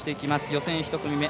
予選１組目。